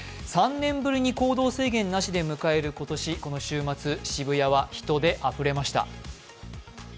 ３年ぶりに行動制限なしで迎える今年、この週末、渋谷は人であふれました。